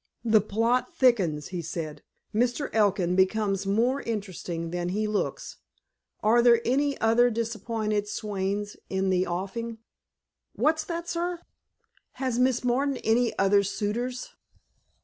"The plot thickens," he said. "Mr. Elkin becomes more interesting than he looks. Are there other disappointed swains in the offing?" "What's that, sir?" "Has Miss Martin any other suitors?"